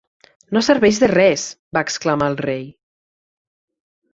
"No serveix de res!", va exclamar el rei.